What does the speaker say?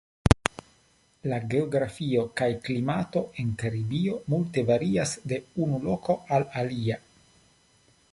La geografio kaj klimato en Karibio multe varias de unu loko al alia.